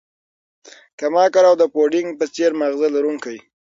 کم عقل او د پوډینګ په څیر ماغزه لرونکی